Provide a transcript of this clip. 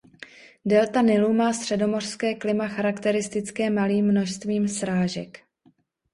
Delta Nilu má středomořské klima charakteristické malým množstvím srážek.